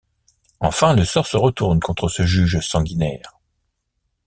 Enfin, le sort se retourne contre ce juge sanguinaire.